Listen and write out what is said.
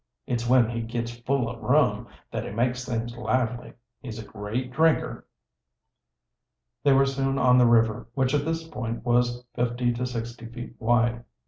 It's when he gits full o' rum that he makes things lively. He's a great drinker." They were soon on the river, which at this point was fifty to sixty feet wide.